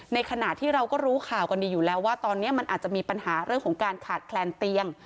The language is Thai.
ในขณะที่เราก็รู้ข่าวกันดีอยู่แล้วว่าตอนนี้มันอาจจะมีปัญหาเรื่องของการขาดแคลนเตียง